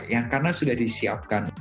ya karena sudah disiapkan